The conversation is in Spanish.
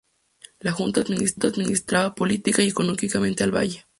La Junta administraba política y económicamente el valle.